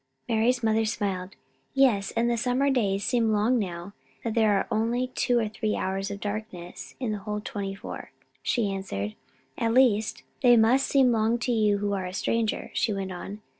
Mari's mother smiled. "Yes, and the summer days seem long now that there are only two or three hours of darkness in the whole twenty four," she answered. "At least, they must seem long to you who are a stranger," she went on.